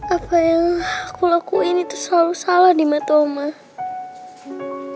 apa yang aku lakuin itu selalu salah di matoma